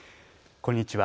こんにちは。